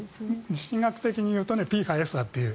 地震学的に言うとＰ波Ｓ波という。